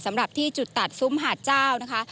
สำหรับที่จุดตัดซุ้มหาดเจ้านะคะ